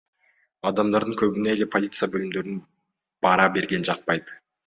Адамдардын көбүнө эле полиция бөлүмдөрүнө бара берген жакпайт.